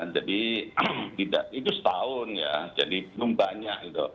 jadi itu setahun ya jadi belum banyak